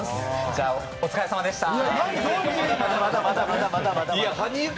じゃあ、お疲れさまでした！